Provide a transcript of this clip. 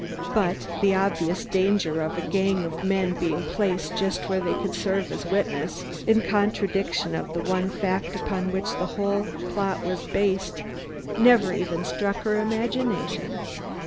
But the obvious danger of a gang of men being placed just where they could serve as witnesses, in contradiction of the one fact upon which the whole plot was based, never even struck her imagination.